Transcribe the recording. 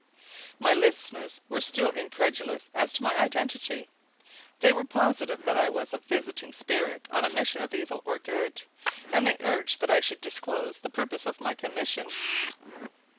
My listeners were still incredulous as to my identity. They were positive that I was a visiting spirit on a mission of evil or good, and they urged that I should disclose the purpose of my commission.